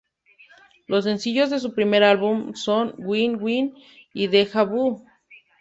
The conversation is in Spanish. Los sencillos de su primer álbum son "Win Win" y "Deja Vu".